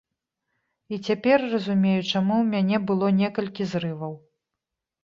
І цяпер разумею, чаму ў мяне было некалькі зрываў.